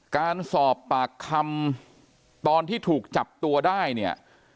การสอบปากคำตอนที่ถูกจับตัวได้เนี่ย